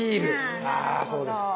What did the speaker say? あそうです。